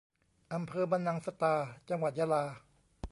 อำเภอบันนังสตา จังหวัดยะลา